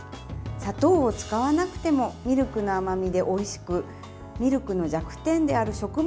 砂糖を使わなくてもミルクの甘みでおいしくミルクの弱点である食物